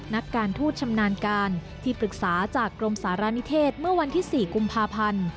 นักการทูตชำนาญการที่ปรึกษาจากกรมสารณิเทศเมื่อวันที่๔กุมภาพันธ์